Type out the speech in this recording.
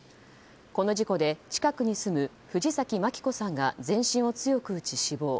この事故で近くに住む藤崎まさ子さんが全身を強く打ち、死亡。